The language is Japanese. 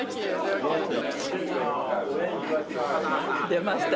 出ました。